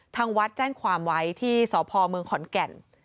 ทางวัดแจ้งความไว้ที่สพเมืองขอนแก่น